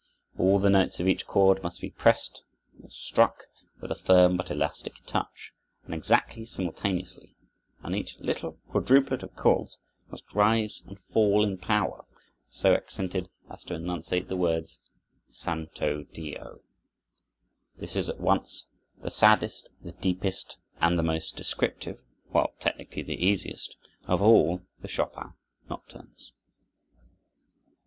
All the notes of each chord must be pressed, not struck, with a firm but elastic touch, and exactly simultaneously; and each little quadruplet of chords must rise and fall in power, so accented as to enunciate the words Santo Dio. This is at once the saddest, the deepest, and the most descriptive, while technically the easiest, of all the Chopin nocturnes.